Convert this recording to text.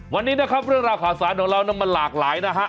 วันนี้นะครับเรื่องราวข่าวสารของเรามันหลากหลายนะฮะ